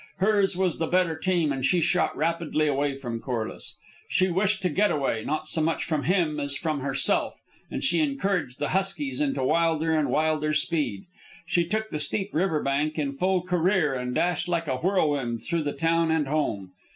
Hers was the better team, and she shot rapidly away from Corliss. She wished to get away, not so much from him as from herself, and she encouraged the huskies into wilder and wilder speed. She took the steep river bank in full career and dashed like a whirlwind through the town and home.